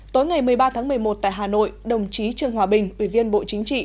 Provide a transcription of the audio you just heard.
tối ngày một mươi ba tháng một mươi một tại hà nội đồng chí trương hòa bình ủy viên bộ chính trị